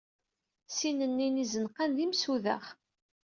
Sin-nni n yizenqan d imsudaɣ.